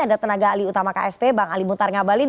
ada tenaga ali utama ksp bang ali mutar ngabalin